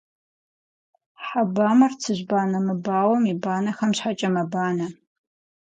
Хьэ бамэр цыжьбанэ мыбауэм и банэхэм щхьэкӏэ мэбанэ.